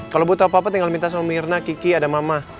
kalau butuh apa apa tinggal minta sama mirna kiki ada mama